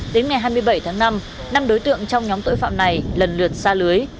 tính ngày hai mươi bảy tháng năm năm đối tượng trong nhóm tội phạm này lần lượt ra lưới